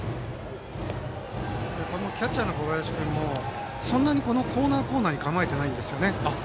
キャッチャーの小林君もそんなにコーナー、コーナーに構えてないんですよね。